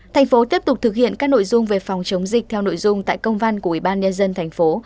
thành phố tiếp tục thực hiện các nội dung về phòng chống dịch theo nội dung tại công văn của ủy ban nhân dân thành phố